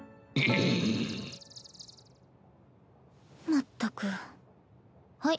まったくはい。